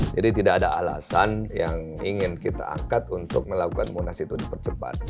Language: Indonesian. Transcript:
jadi tidak ada alasan yang ingin kita angkat untuk melakukan monasi tunjuk percepat